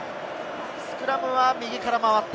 スクラムは右から回った。